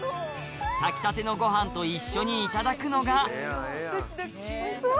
炊きたてのご飯と一緒にいただくのがうわ！